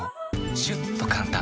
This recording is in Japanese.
シュッと簡単！